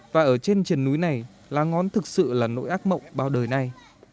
và ở trên triền núi này lá ngón thực sự là nỗi ác mộng bao đời nay